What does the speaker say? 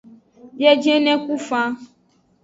Biejene ku fan.